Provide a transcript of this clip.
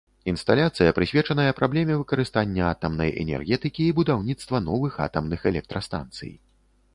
Інсталяцыя прысвечаная праблеме выкарыстання атамнай энергетыкі і будаўніцтва новых атамных электрастанцый.